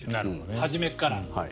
初めから。